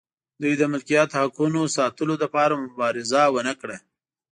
دوی د ملکیت حقونو ساتلو لپاره مبارزه ونه کړه.